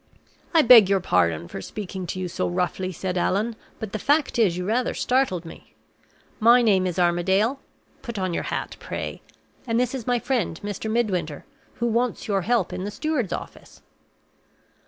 "I beg your pardon for speaking to you so roughly," said Allan; "but the fact is, you rather startled me. My name is Armadale (put on your hat, pray), and this is my friend, Mr. Midwinter, who wants your help in the steward's office."